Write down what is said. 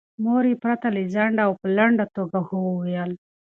مور یې پرته له ځنډه او په لنډه توګه هو وویل.